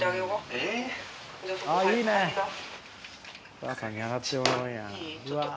お母さんに洗ってもらうんや。